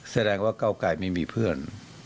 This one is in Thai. แสดงว่าเก้าไกรไม่มีเพื่อน